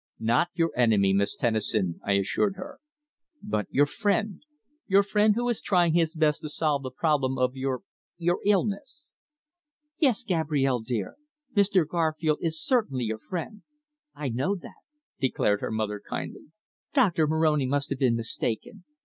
"Not your enemy, Miss Tennison," I assured her. "But your friend your friend who is trying his best to solve the problem of your your illness." "Yes, Gabrielle, dear, Mr. Garfield is certainly your friend. I know that," declared her mother kindly. "Doctor Moroni must have been mistaken.